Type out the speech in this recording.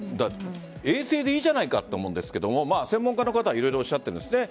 衛星でいいじゃないかと思うんですが専門家の方は色々おっしゃっています。